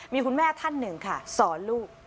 มีคุณแม่ท่านหนึ่งค่ะสอนลูก